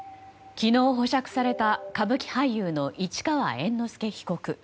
昨日保釈された歌舞伎俳優の市川猿之助被告。